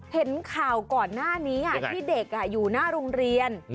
เห็นข่าวก่อนหน้านี้ที่เด็กอยู่หน้าโรงเรียน